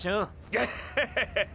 ガハハハハ！！